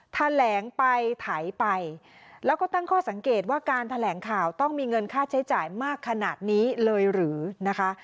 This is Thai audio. แถลงไปไถไปแล้วก็ตั้งข้อสังเกตว่าการแถลงข่าวต้องมีเงินค่าใช้จ่ายมากขนาดนี้เลยหรือนะคะ